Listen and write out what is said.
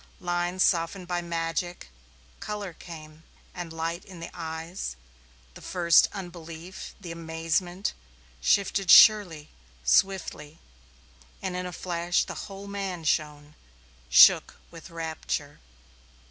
Lines softened by magic; color came, and light in the eyes; the first unbelief, the amazement, shifted surely, swiftly, and in a flash the whole man shone, shook with rapture.